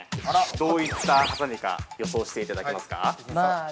どういったはさみか、予想していただけますか。